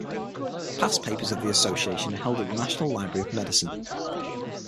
Past papers of the association are held at the National Library of Medicine.